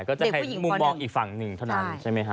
ก็จะเป็นมุมมองอีกฝั่งหนึ่งเท่านั้นใช่ไหมฮะ